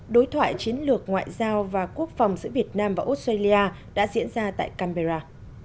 đối thoại chiến lược ngoại giao và quốc phòng giữa việt nam và australia đã diễn ra tại canberra